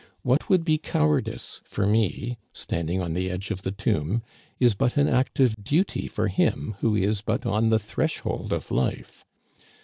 What would be cowardice for me, standing on the edge of the tomb, is but an act of duty for him who is but on the threshold of life.